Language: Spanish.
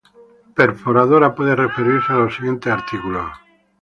Perforadora puede referirse a los siguientes artículos.